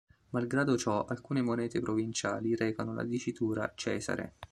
Malgrado ciò, alcune monete provinciali recano la dicitura "cesare".